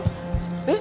えっ